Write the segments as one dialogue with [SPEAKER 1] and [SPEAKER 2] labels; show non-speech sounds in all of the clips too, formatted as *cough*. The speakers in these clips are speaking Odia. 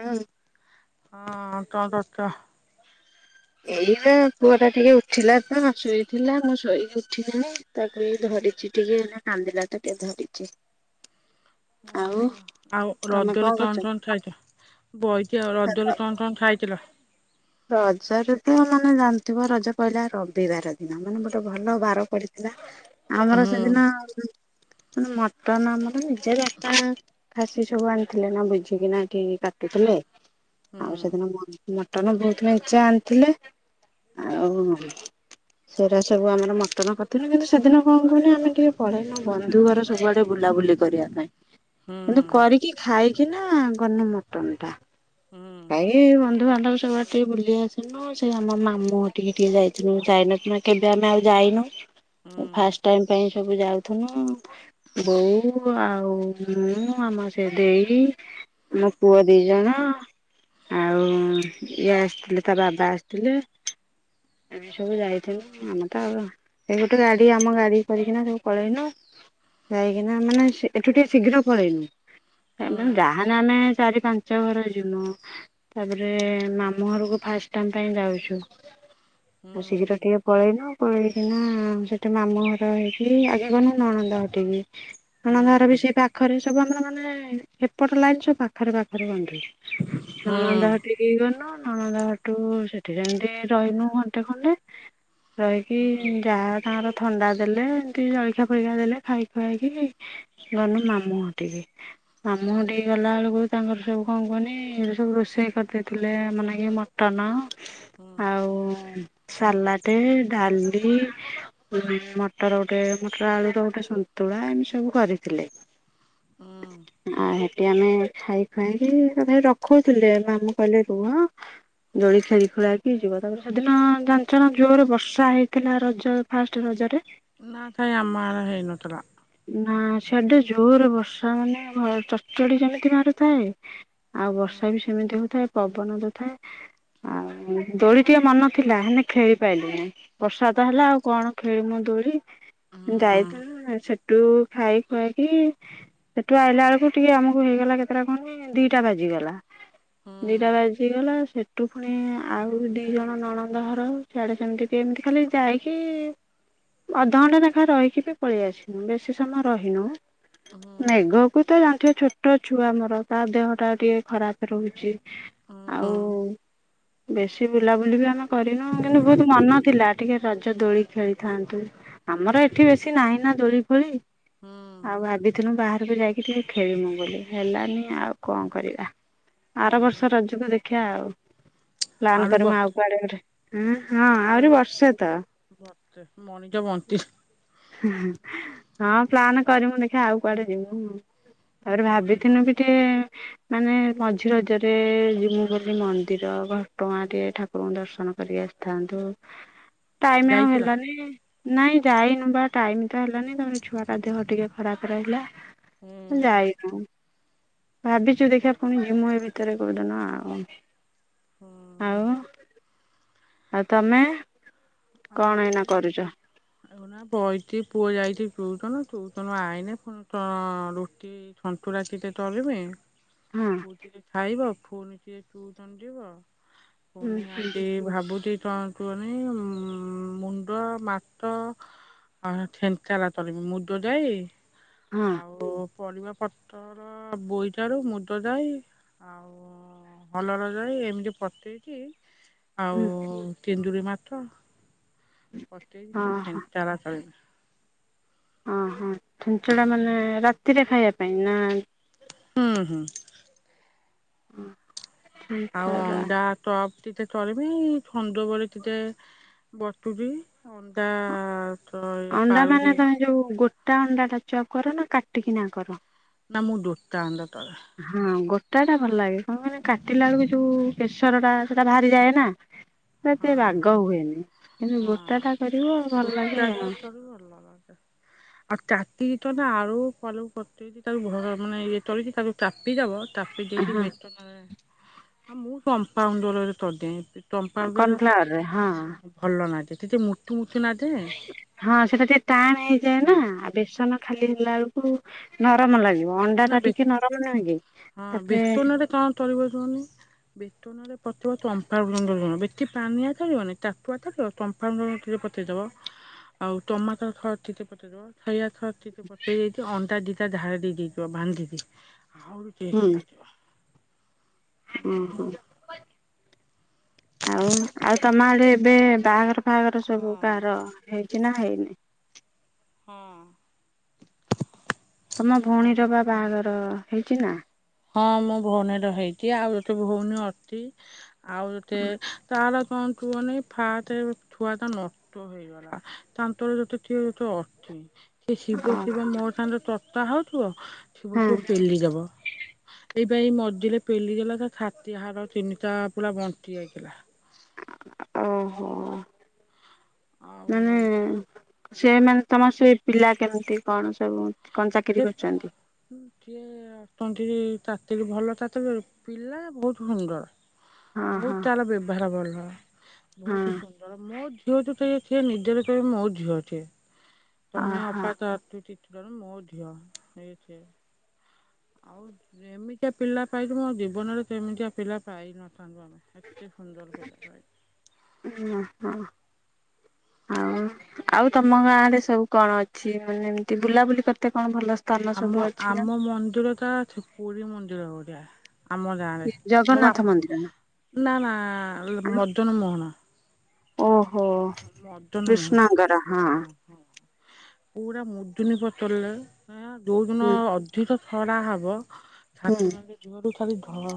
[SPEAKER 1] ହାଲୋ।
[SPEAKER 2] ହଁ କଣ କରୁଛ?
[SPEAKER 1] ଏଇ ତ ପୁଅ ଟା ଟିକେ ଉଠିଲା ତ ଶୋଇଥିଲା ମୁଁ ଶୋଇକି ଉଠିଲିଣି। ତାକୁ ଏଇ ଧରିଛି ଟିକେ ଏଇନା କାନ୍ଦିଲା ତ ଟିକେ ଧରିଛି।
[SPEAKER 2] ହଁ
[SPEAKER 1] ଆଉ
[SPEAKER 2] ହଁ। ଆଉ
[SPEAKER 1] ତମେ
[SPEAKER 2] ରଜରେ
[SPEAKER 1] କଣ କରୁଛ?
[SPEAKER 2] ତଣ ତଣ ଖାଇଚ ବହିଛି ଆଉ ରଜରେ ତଣତଣ ଖାଇଥିଲ?
[SPEAKER 1] ରଜରେ ତ ମାନେ ଜାଣିଥିବ ରଜ ପଇଲା ରବିବାର ଦିନ ମାନେ ଗୋଟେ ଭଲ ବାର ପଡିଥିଲା।
[SPEAKER 2] *inaudible*
[SPEAKER 1] ଆମର ସେଦିନ ମାନେ ମଟନ ଆମର ନିଜେ ବାପା ଖାସି ସବୁ ଆଣିଥିଲେ ନା ବୁଝିକିନା ଏଠି କାଟୁଥିଲେ। ଆଉ ସେଦିନ ମଟନ ବହୁତ ମେଞ୍ଚେ ଆଣିଥିଲେ। ଆଉ
[SPEAKER 2] *unintelligible*
[SPEAKER 1] ସେଇରା ସବୁ ଆମର ମଟନ କରିଥିଲୁ କିନ୍ତୁ ସେଦିନ କଣ କହିଲୁ ଆମେ ଟିକେ ପଲେଇଲୁ ଆମ ବନ୍ଧୁ ଘର ସବୁଆଡ଼େ ବୁଲାବୁଲି କରିବା ପାଇଁ।
[SPEAKER 2] ହଁ *unintelligible*
[SPEAKER 1] କିନ୍ତୁ କରିକି ଖାଇକିନା ଗନୁ ମଟନ ଟା। ଖାଇକି ବନ୍ଧୁ ବାନ୍ଧବ ସବୁ ଟିକେ ବୁଲି ଆସିଲୁ ସେ ଆମ ମାମୁଁଘଠିକି ଟିକେ ଯାଇଥିଲୁ ଯାଇନଥିନୁ ନା କେବେ ଆମେ ଆଉ ଯାଇନୁ। ଏ ଫାଷ୍ଟ ଟାଇମ ପାଇଁ ସବୁ ଯାଉ ଥିନୁ ବୋଉ ଆଉ ମୁଁ ଆମ ସେ ଦେଇ ଆମ ପୁଅ ଦି ଜଣ, ଆଉ ଇଏ ଆସିଥିଲେ ତା ବାବା ଆସିଥିଲେ ଆମେ ସବୁ ଯାଇଥିଲୁ ଆମେ ତ ଆଉ ଏଇ ଗୋଟେ ଗାଡ଼ି ଆମ ଗାଡ଼ି କରିକିନା ସବୁ ପଲେଇନୁ। ଯାଇକିନା ମାନେ ଏଠୁ ଟିକେ ଶୀଘ୍ର ପଳେଇଲୁ। ମାନେ ଯାହାନେ ଆମେ ଚାରି ପାଞ୍ଚ ଘର ଯିମୁ ତାପରେ ମାମୁଁ ଘରକୁ ଫାଷ୍ଟ ଟାଇମ ପାଇଁ ଯାଉଛୁ ଆଉ ଶୀଘ୍ର ଟିକେ ପଳେଇନୁ ପଳେଇକିନା ସେଠି ମାମୁଁ ଘର ହେଇକି ଆଗେ ଗନୁ ନଣନ୍ଦ ଘଠିକି। ନଣନ୍ଦ ଘର ବି ସେଇ ପାଖରେ ସବୁ ଆମର ମାନେ ହେପଟ ଲାଇନ ସବୁ ପାଖରେ ପାଖରେ ବନ୍ଧୁ। ନଣନ୍ଦ ଘର ଠିକି ଗନେ ନଣନ୍ଦ ଘଠୁ ସେଠି ସେମିତି ରହିନୁ ଘଣ୍ଟେ ଖଣ୍ଡେ। ରହିକି ଯାହା ତାଙ୍କର ଥଣ୍ଡା ଦେଲେ ଏମତି ଜଳଖିଆ ଫଳଖିଆ ଦେଲେ ଖାଇ ଖୁଆକି ଗନୁ ମାମୁଁ ଘଠିକି। ମାମୁଁ ଘଠିକି ଗଲା ବେଳକୁ ତାଙ୍କର ସବୁ କଣ କୁହନି ଏ ସବୁ ରୋଷେଇ କରିଦେଇଥିଲେ। ମାନେ ଆମ ନାଗି ମଟନ ଆଉ ସାଲାଟେ, ଡାଲି ମଟର ଗୋଟେ ମଟର ଆଳୁର ଗୋଟେ ସନ୍ତୁଳା ଏମିତି ସବୁ କରିଥିଲେ। ଆଉ ହେଠି ଆମେ ଖାଇ ଖୁଆକି ତଥାପି ରଖଉଉଥିଲେ ମାମୁଁ କହିଲେ ରୁହ ହଁ ରଜରେ ଜୋର୍ ରେ ବର୍ଷା ହେଇଥିଲା ରଜ ଫାଷ୍ଟ ରଜଟା
[SPEAKER 2] ନାଁ କାଇଁ ଆମ ଆଡ଼େ ହେଇନଥିଲା।
[SPEAKER 1] ନା ସେବେ ଜୋର ବର୍ଷା ମାନେ ଚଡ଼ ଚଡ଼ି ଯେମିତି ମାରୁଥାଏ ଆଉ ବର୍ଷା ବି ସେମିତି ହଉଥାଏ ପବନ ଦଉଥାଏ। ଆଉ ଦୋଳି ଟିକେ ମନ ଥିଲା ହେଲେ ଖେଳି ପାଇଲିଣି। ବର୍ଷା ତ ହେଲା ଆଉ କଣ ଖେଳିମୁ ଦୋଳି ଯାଇଥିଲୁ ସେଠୁ ଖାଇ ଖୁଆ କି ସେଠୁ ଆଇଲା ବେଳକୁ ଟିକେ ଆମକୁ ହେଇଗଲା କେତେଟା କଣକି ଦିଟା ବାଜିଗଲା। ଦିଟା ବା ହେଇଗଲା ସେଠୁ ପୁଣି ଆଉ ଦି ଜଣ ନଣନ୍ଦ ଘର ସିଆଡ଼େ ସେମିତି ଏମିତି ଖାଲି ଯାଇ କି ଅଧଘଣ୍ଟା ଲେଖା ରହିକି ବି ପଳେଇ ଆସିଲୁ ବେଶୀ ସମୟ ରହିନୁ। ମେଘକୁ ତ ତାଙ୍କେ ଛୋଟ ଛୁଆ ମୋର ତା ଦେହଟା ଟିକେ ଖରାପ ରହୁଛି। ଆଉ ବେଶୀ ବୁଲାବୁଲି ବି ଆମେ କରିନୁ କିନ୍ତୁ ବହୁତ ମନ ଥିଲା। ଟିକେ ରଜ ଦୋଳି ଖେଳିଥାନ୍ତୁ ଆମର ଏଠି ବେଶୀ ନାହିଁ ନା ଦୋଳି ଫୋଳି। ଆଉ ଭାବି ତିନିଟା ବାହାରିଥିଲୁ ଯାଇକି ଟିକେ ଖେଳିବୁ ବୋଲି ହେଲାନି ଆଉ କଣ କରିବା। ଆର ବର୍ଷ ରଜକୁ ଦେଖିବା ଆଉ। ପ୍ଲାନ୍
[SPEAKER 2] ଆଳୁ
[SPEAKER 1] କରିବା ଆଉ
[SPEAKER 2] ବତେ
[SPEAKER 1] କୁଆଡ଼େ ଗୋଟେ ହୁଁ ହଁ
[SPEAKER 2] ଆଳୁ
[SPEAKER 1] ଆହୁରି
[SPEAKER 2] ବଡ
[SPEAKER 1] ବର୍ଷେ ତ।
[SPEAKER 2] *unintelligible*
[SPEAKER 1] ହୁଁ ହୁଁ। ହଁ ପ୍ଲାନ କରିମୁ ଦେଖିବା ଆଉ କୁଆଡ଼େ ଯିବୁ ତାପରେ ଭାବିିଥିନୁ ଟିକେ। ମାନେ ମଝିରେ ରଜରେ ଯିବୁ ବୋଲି ମନ୍ଦିର ଘଟଗାଁ ଟିକେ ଠାକୁ ଦର୍ଶନ କରିକି ଆସିଥାନ୍ତୁ।
[SPEAKER 2] *inaudible*
[SPEAKER 1] ଟାଇମ୍ ଆଉ
[SPEAKER 2] ଯାଇଥିଲ?
[SPEAKER 1] ହେଲାନି ନାଇଁ ଯାଇନୁ ବା ଟାଇମ୍ ହେଲାନି ତାପରେ ଛୁଆଟା ଦେହ ଟିକେ ଖରାପ ରହିଲା ଯାଇ ଭାବିଛୁ ଦେଖିବା ପୁଣି ଯିମୁ ଏ ଭିତରେ କୋଉଦିନ ଆଉ। ହଁ
[SPEAKER 2] ଆମ
[SPEAKER 1] ଆଉ ତମେ?
[SPEAKER 2] ହଁ
[SPEAKER 1] କଣ
[SPEAKER 2] *inaudible*
[SPEAKER 1] ଏଇନା କରୁଛ
[SPEAKER 2] ଆଉ ନା ବଇଛି ପୁଅ ଯାଇଛିି ଟୁଉସନ୍ ଟୁଉସନ୍ ଆଇନି ପୁଣି ରୁଟି ସନ୍ତୁଳା ଟିକେ କରିବି।
[SPEAKER 1] ହଁ
[SPEAKER 2] ପୁଅ ଟିକେ ଖାଇବ ପୁଣି ଟିକେ ଟିଉସନ୍ ଯିବ। ପୁଣି ଆଜି ଭାବୁଛି ଶୁଣନ୍ତୁନି *inaudible* ଉ ମୁଣ୍ଡ ମାଛ ଛେଞ୍ଚେଡ଼ା କରିବି
[SPEAKER 1] ହଁ
[SPEAKER 2] ଆଉ ପରିବା ପତ୍ରର ବୋଇତଳୁ ମୁଦ ଯାଇ ହରଡ଼ ଯାଇ ଏମିତି ପକେଇକି ଆଉ
[SPEAKER 1] ହଁ
[SPEAKER 2] ଚିଙ୍ଗୁଡ଼ି ମାଛ
[SPEAKER 1] ହଁ
[SPEAKER 2] ପକେଇକି ସେ
[SPEAKER 1] ହଁ
[SPEAKER 2] ଚ୍ଛେଞ୍ଚେଡ଼ା କରିବି।
[SPEAKER 1] ଓହୋ ଚ୍ଛେଞ୍ଚେଡ଼ା ମାନେ ରାତିରେ ଖାଇବା ପାଇଁ ନା।
[SPEAKER 2] ହୁଁ ହୁଁ।
[SPEAKER 1] ହୁଁ *inaudible*
[SPEAKER 2] ଆଉ ଅଣ୍ଡା ଚପ ଟିକେ ଚରବି ସଞ୍ଜ ବେଳେ ଟିକେ ବସ୍ତୁଟି ଅଣ୍ଡା *inaudible*
[SPEAKER 1] ଅଣ୍ଡା
[SPEAKER 2] ପାଉଁରୁଟି
[SPEAKER 1] ମାନେ ତମେ ଯୋଉ ଗୋଟା ଅଣ୍ଡା ଟା ଚପ କର ନା କାଟିକିନା କର?
[SPEAKER 2] ନାମୁଁ ଦୁଡ଼ତା ଅନଦ ତଳେ।
[SPEAKER 1] ହଁ ଗୋଟାଟା ଭଲ ଲାଗେ କଣ କହିଲି କାଟିଲା ବେଳକୁ ଯୋଉ ପ୍ରେସର ଟା ସେଟା ବାହାରିଯାଏ ନା।
[SPEAKER 2] ହ
[SPEAKER 1] ସେତେ ବାଗ ହୁଏନି କିନ୍ତୁ ଗୋଟା ଟା କରିବ ଭଲ ଲାଗେ ଆଉ।
[SPEAKER 2] *unintelligible* *unintelligible* ତାପି ଦେଇଛି
[SPEAKER 1] ହଁ।
[SPEAKER 2] ବେସନରେ ମୁଁ କମ୍ପାଉଣ୍ଡରରେ କର୍ଦିଏ କ ପାଉଡର୍
[SPEAKER 1] କର୍ଣଫ୍ଲାୱାରରେ ହଁ।
[SPEAKER 2] ରେ ଭଲ ଲାଗେ ଟିକେ ମୃତୁ ମୁୁଥୁ ଲାଗେ।
[SPEAKER 1] ହଁ ସେଟା ଟିକେ ଟାଣ ହେଇଯାଏ ନା ଆଉ ବେସନ ଖାଲି ହେଲା ବେଳକୁ ନରମ ଲାଗିବ ଅଣ୍ଡା
[SPEAKER 2] ନା
[SPEAKER 1] ଟା
[SPEAKER 2] ବେ
[SPEAKER 1] ଟିକେ ନରମ ନୁହେଁ କି ତାପରେ
[SPEAKER 2] ପରିବା ଦୋଉନି। ବେତନରେ ପତିଥିବା ଚମ୍ପା ବୃ ଜ ବେଠି ପାନିଆ କରିବନି କାଠୁଆ କରିବ ଚମ୍ପା *unintelligible* ଆଉ ଟମାଟର ସସ୍ ଟିକେ ପକେଇ ଦବ ସୋୟା ସସ୍ ଟିକେ ପକଇ ଦେଇ ଅଣ୍ଡା ଦିଟା ଢାଳି ଦେଇଛି। *unintelligible*
[SPEAKER 1] ଓହୋ ଆଉ ଆଉ ତମ ଆଡେ ଏବେ ବାହାଘର ବାହାଘର
[SPEAKER 2] ହଁ
[SPEAKER 1] ସବୁ କାହାର ହେଇଛି ନା ହେଇନି।
[SPEAKER 2] ହଁ।
[SPEAKER 1] ତମ
[SPEAKER 2] ଅ
[SPEAKER 1] ଭଉଣୀର ବା ବାହାଘର ହେଇଛି ନା।
[SPEAKER 2] ହଁ ମୁଁ ଭଉଣୀ ର ହେଇଛି ଆଉ ଗୋଟେ ଭଉଣୀ ଅଛି। ଆଉ ଏତେ ତାର କଣ କୁଅନି ଫାଷ୍ଟ ଛୁଆ ଟା ନଷ୍ଟ ହେଇଚି। ତାଙ୍କର ସେଠୀ କିଏ ଗୋଟେ ଅଛି। ସେ ଶିବ ଶିବ ମୋ ସାଙ୍ଗରେ ତତା ହଉଥିବ
[SPEAKER 1] ହଁ।
[SPEAKER 2] ଥିବଥିବ ପେଲି ଦବ। ଏଇପା ଏଇ ମଝିରେ ପେଲିଗଲା ତା ଛାାତଟି ହାଡ ତିନିଟା ପୁରା ବଙ୍କୀ ଯାଇଥିଲା।
[SPEAKER 1] ଓହୋ
[SPEAKER 2] ଆଉ
[SPEAKER 1] ମାନେ ସେମାନେ ତମର ସେ ପିଲା କେମିତି କଣ ସବୁ କଣ ଚାକିରି କରୁଛନ୍ତି।
[SPEAKER 2] ଟିକିଏ ଅ ତଣ୍ଟି ତାତିରି ଭଲ ତାତିରି ପିଲା ବହୁତ ସୁନ୍ଦର।
[SPEAKER 1] ହଁ ହଁ
[SPEAKER 2] ବହୁତ ତାର ବ୍ୟବହାର ଭଲ।
[SPEAKER 1] ହଁ
[SPEAKER 2] ବହୁତ ହ ସୁନ୍ଦର ମୋ ଝିଅ ଠୁ ସିଏ ସେ ନିଜର ତ ମୋ ଝିଅ ସିଏ। ତମେ
[SPEAKER 1] ଓହୋ
[SPEAKER 2] ଅପା ତା ତିଟ କର ମୋ ଝିଅ ସେ ଆଉ ଯେମିତିଆ ପିଲା ପାଇଛୁ ମୋ ଜୀବନରେ ସେମିତିଆ ପିଲା ପାଇନଥାନ୍ତୁ ଆମେ। ଏତେ ସୁନ୍ଦର ପିଲା ପାଇଛୁ।
[SPEAKER 1] ହ ହଁ ହଁ ଆଉ। ଆଉ ତମ ଗାଁ ରେ ସବୁ କଣ ଅଛି ମାନେ ଏମିତି ବୁଲାବୁଲି କରିତେ କଣ ଭଲ? ସ୍ଥାନ ସବୁ
[SPEAKER 2] ଆମ
[SPEAKER 1] ଅଛି ନା?
[SPEAKER 2] ଆମ ମନ୍ଦିର ତ ଅ ପୁରୀ ମନ୍ଦିର ଭଳିଆ ଆମ ମୋ
[SPEAKER 1] ଜଗନ୍ନାଥ ମନ୍ଦିର। ନା
[SPEAKER 2] ବାପ ନା ନା ମଦନ ମୋହନ।
[SPEAKER 1] ଓହୋ।
[SPEAKER 2] ମଦନ
[SPEAKER 1] କୃଷ୍ଣଙ୍କର ହଁ
[SPEAKER 2] ମୋହାନ ହଁ ହଁ। ପୁରା ମୁଦୁନୀ ପଚଲଲେ ଯୋଉଦିନ
[SPEAKER 1] ହୁଁ
[SPEAKER 2] ଏଠି ତ ଛଡ଼ା ହବ
[SPEAKER 1] ହୁଁ
[SPEAKER 2] ଛାତୁ ନ ଦୁଅରୁୁ ଖାଲି ଧ।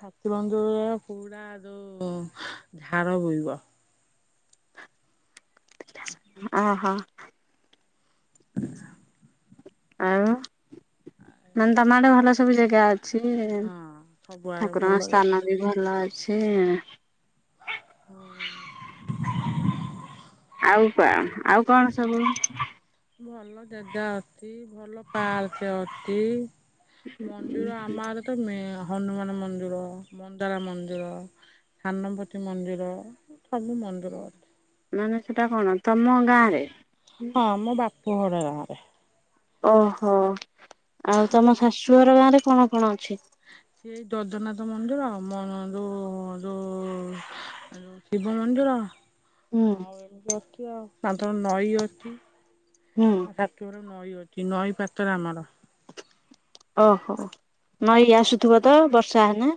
[SPEAKER 2] ଠାକୁରଙ୍କ ଦୟାରୁ ପୁରା ଯୋଉ ଝାଡ ବୋଇବ।
[SPEAKER 1] ଓ ହୋ। ହ ଆଉ ମାନେ ତମ ଆଡେ ଭଲ ସବୁ ଜାଗା ଅଛି। ଅଛି
[SPEAKER 2] ହଁ ସବୁଆଡେ
[SPEAKER 1] ଠାକୁରଙ୍କ
[SPEAKER 2] ଭଲ
[SPEAKER 1] ସ୍ଥାନ ବି ଭଲ ଅଛି।
[SPEAKER 2] ହୁଁ।
[SPEAKER 1] ଆଉ କଣ ଆଉ କଣ ସବୁ
[SPEAKER 2] ଭଲ ଜାଗା ଅଛି ଭଲ ପାର୍କ ଅଛି। ମନ୍ଦିର ଆମ ଆଡେ ତ ମେ ହନୁମାନ ମନ୍ଦିର ମନ୍ଦାର ମନ୍ଦିର ଥାନପତି ମନ୍ଦିର ସବୁ ମନ୍ଦିର ଅଛି।
[SPEAKER 1] ମାନେ ସେଟା କଣ ତମ ଗାଁ ରେ?
[SPEAKER 2] ହଁ ମୋ ବାପ ଘର ଗାଁ ରେ।
[SPEAKER 1] ଓହୋ ଆଉ ତମ ଶାଶୁଘର ଗାଁ ରେ କଣ କଣ ଅଛି?
[SPEAKER 2] ସେଇ ଦୈଦନାଥ ମନ୍ଦିର ଆ ମୋ ଯୋଉ ଯୋଉ ଶିବ ମନ୍ଦିର।
[SPEAKER 1] ହୁଁ
[SPEAKER 2] ଆଉ ଏମିତି ଅଛି ଆଉ ସାଧାରଣ ନଈ ଅଛି।
[SPEAKER 1] ହୁଁ।
[SPEAKER 2] ଶାଶୁଘରେ ନଈ ଅଛି ନଈ ପାତ୍ର ଆମର।
[SPEAKER 1] ଓହୋ ନଈ ଆସୁଥିବ ତ ବର୍ଷା ହେଲେ?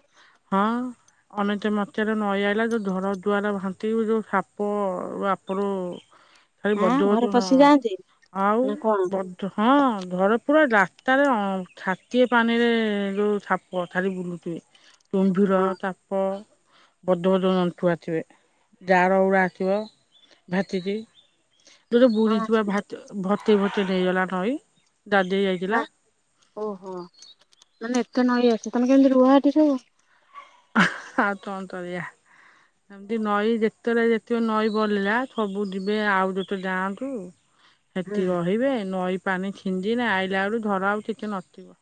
[SPEAKER 2] ହଁ। ଅନସୋତ ମସିହାରେ ନଈଆଇଲା ଯୋଉ ଘରଦ୍ୱାର ଭାସି ଯୋଉ ସାପ ବାପା ଲୋ। ଖାଲି
[SPEAKER 1] ଆଁ
[SPEAKER 2] ବଡ
[SPEAKER 1] ଘରେ
[SPEAKER 2] ବଡ ହ
[SPEAKER 1] ପଶି ଯାଆନ୍ତି
[SPEAKER 2] ଆଉ
[SPEAKER 1] ନା କଣ?
[SPEAKER 2] ବ ହଁ ଘରେ ପୁରା ରାସ୍ତାରେ ଛାଟିଏ ପାଣିରେ ଯୋଉ ସାପ ଖାଲି ବୁଲୁଥିବେ। କୁମ୍ଭୀର
[SPEAKER 1] ହଁ
[SPEAKER 2] ସାପ। ବଡ଼ ବଡ଼ ଜନ୍ତୁ ଆଥିବେ ଜାଳ ଗୁଡ଼ା ଆଥିବ ଭାସିକି। ଦୁଇଟା ବୁଢି
[SPEAKER 1] କଣ
[SPEAKER 2] ଛୁଆ ଭାସି ଭସେଇ ଭସେଇ ନେଇଗଲା ନଈ ଦାଧେଇ
[SPEAKER 1] ନା
[SPEAKER 2] ଯାଇଥିଲା।
[SPEAKER 1] ଓହୋ ମନେ ଏତେ ନଈ ଆସେ ତମେ କେମିତି ରୁହ ଏଠି ସବୁ।
[SPEAKER 2] ଆଉ ତନ୍ତକରିଆ। ଏମିତି ନଈ ଯେତେବେଳେ ଯେତେବେଳେ ନଈ ବଡିଲା ସବୁ ଯିବେ ଆଉ ଗୋଟେ ଗାଁକୁ।
[SPEAKER 1] ହଁ
[SPEAKER 2] ସେଠି ରହିବେ ନଈ ପାଣି ଛିଣ୍ଡିଲା ଆଇଲା ବେଳକୁ ଘର ଆଉ କିଛି ନଥିବ।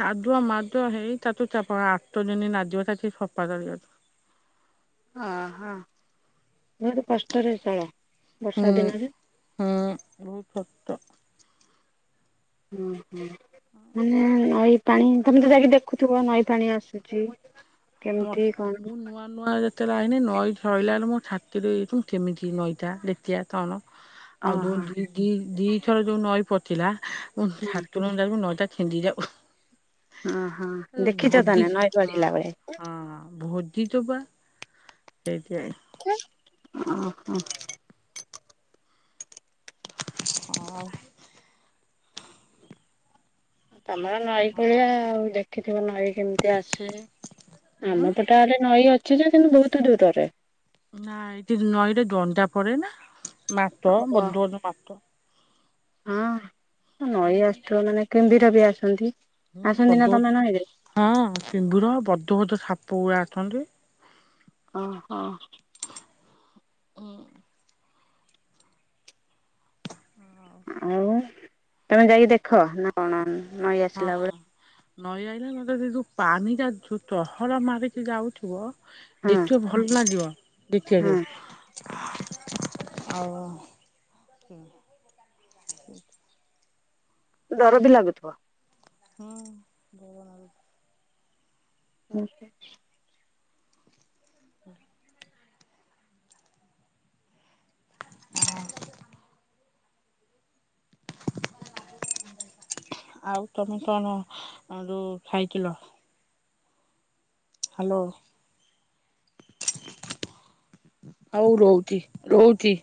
[SPEAKER 2] ଚାଦୁଅ ମାଦୁଅ ହେଇ ତାକୁ ତାପରେ ଆଠ ଦିନ ନାଗିବ ତାଠି ସଫା ତରିବାକୁ।
[SPEAKER 1] ଆହା ବହୁତ କଷ୍ଟରେ ଚଳ। ବର୍ଷା
[SPEAKER 2] ହଁ ହୁଁ ବହୁତ କଷ୍ଟ।
[SPEAKER 1] ହୁଁ ହୁଁ ମାନେ ନଈ ପାଣି ତମେ ତ ଯାଇକି ଦେଖୁଥିବ ନଈ ପାଣି ଆସୁଛି? କେମିତି
[SPEAKER 2] ମତ
[SPEAKER 1] କଣ?
[SPEAKER 2] ମୁଁ ନୂଆ ନୂଆ ଯେତେବେଳେ ଆଇନି ନଈ ଧରିଲା ବେଳେ ମୁଁ ଛାକି ଦେଇୁ କେମିତି ନଈଟା ଦେତିଆ କଣ? ଆଉ
[SPEAKER 1] ଓହୋ
[SPEAKER 2] ଯୋଉ ଦି ଦି ଦି ଥର ଯୋଉ ନଈ ପସିଲା ମୁ
[SPEAKER 1] ହୁଁ।
[SPEAKER 2] ଛାତୁର *unintelligible* ନଇଟା ଛିଣ୍ଡି ଯାଉ।
[SPEAKER 1] ଓହୋ ଦେଖିଛ
[SPEAKER 2] ଭୋଜି
[SPEAKER 1] ତାହେଲେ ନଈ
[SPEAKER 2] ହଁ
[SPEAKER 1] ବଢ଼ିଲା ବେଳେ?
[SPEAKER 2] ହଁ ଭୋଜିଛୁ ପା। ସେଇଟାଇ
[SPEAKER 1] ଓ ହୋ।
[SPEAKER 2] ହଉ।
[SPEAKER 1] ତମର ନଈ
[SPEAKER 2] ହଁ
[SPEAKER 1] କୁଳିଆ ଆଉ ଦେଖିଥିବ ନଈ କେମିତି ଆସେ
[SPEAKER 2] ଉଁ
[SPEAKER 1] ଆମ ପଟେ ଟ ଆଡେ ନଈ ଅଛି ଯେ କିନ୍ତୁ ବହୁତ ଦୂରରେ।
[SPEAKER 2] ନା ଏଠି ନଈଟା ଡଣ୍ଟା ପରେ ନା ମାତ
[SPEAKER 1] ଓହୋ।
[SPEAKER 2] ବଡ ବଡ ମାତ।
[SPEAKER 1] ହଁ
[SPEAKER 2] ହୁଁ
[SPEAKER 1] ନଈ ଆସୁଥିବ ମାନେ କୁମ୍ଭୀର ବି ଆସନ୍ତି।
[SPEAKER 2] ହୁଁ
[SPEAKER 1] ଆସନ୍ତି ନା
[SPEAKER 2] ବଦ
[SPEAKER 1] ତମେ
[SPEAKER 2] ବଦ
[SPEAKER 1] ନଈରେ?
[SPEAKER 2] ହଁ କୁମ୍ଭୀର ବଦ ବଦ ସାପଗୁଡା ଆସନ୍ତି।
[SPEAKER 1] ଓହୋ।
[SPEAKER 2] ହୁ।
[SPEAKER 1] ଆଉ ତମେ ଯାଇକି ଦେଖ ନା କଣ ନ
[SPEAKER 2] ହଁ ନଈ ଆଇଲା ମତେ ସେ ଯୋଉ ପାଣି ଚହଳ ମାରିକି ଯାଉଥିବ
[SPEAKER 1] ହଁ
[SPEAKER 2] ଦେଖିବ ଭଲ ଲାଗିବ
[SPEAKER 1] ହଁ
[SPEAKER 2] ଦେଖିବାକୁ। ଆଉ *inaudible*
[SPEAKER 1] ଡର ବି ଲାଗୁଥିବ।
[SPEAKER 2] ହୁଁ ଭୟ ନାଗୁ
[SPEAKER 1] *unintelligible*
[SPEAKER 2] ହୁଁ। ହଁ। ଆଉ ତମେ କଣ ଯୋଉ ଖାଇଥିଲ? ହ୍ୟାଲୋ? ହଉ ରହୁଚି ରହୁଚି।